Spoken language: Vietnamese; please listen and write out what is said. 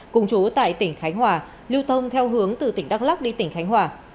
cùng chú tại tỉnh khánh hòa lưu thông theo hướng từ tỉnh đắk lắc đi tỉnh khánh hòa